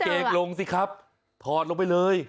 ถอดกางเกงลงสิครับถอดลงไปเลย